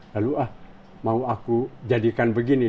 lalu ah mau aku jadikan begini